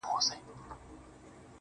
بیا هغه لار ده، خو ولاړ راته صنم نه دی.